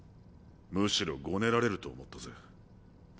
むしろごねられると思ったぜ。